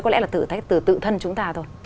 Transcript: có lẽ là thử thách từ tự thân chúng ta thôi